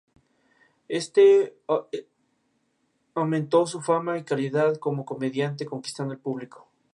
Esto aumentó su fama y calidad como comediante, conquistando el público.